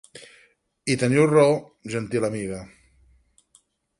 -I teniu raó, gentil amiga.